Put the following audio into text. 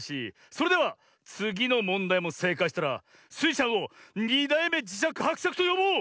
それではつぎのもんだいもせいかいしたらスイちゃんを「２だいめじしゃくはくしゃく」とよぼう！